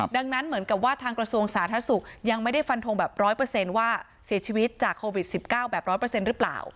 ดังนั้นเหมือนกับว่าทางกระทรวงสาธารณสุขยังไม่ได้ฟันทงแบบ๑๐๐ว่าเสียชีวิตจากโควิด๑๙แบบ๑๐๐หรือเปล่า